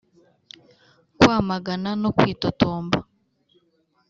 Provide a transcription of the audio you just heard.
kwamagana no kwitotomba